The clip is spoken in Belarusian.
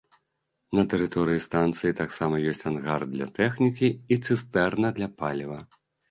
На тэрыторыі станцыі таксама ёсць ангар для тэхнікі і цыстэрны для паліва.